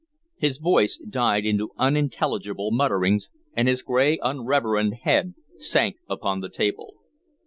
His voice died into unintelligible mutterings, and his gray unreverend head sank upon the table.